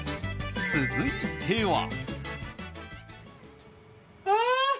続いては。